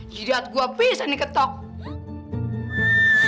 jadi aku bisa nih ketok ketok pintu